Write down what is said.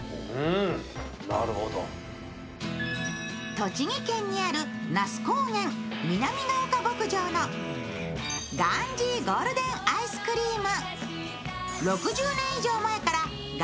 栃木県にある那須高原南ヶ丘牧場のガーンジィゴールデンアイスクリーム。